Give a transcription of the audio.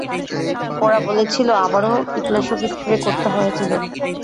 ওরা বলেছিল আবারও কীটনাশক স্প্রে করতে হয়েছিল।